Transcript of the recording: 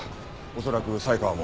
恐らく才川も。